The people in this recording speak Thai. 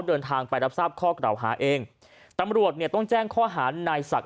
เดินทางไปรับทราบข้อกล่าวหาเองตำรวจเนี่ยต้องแจ้งข้อหานายศักดิ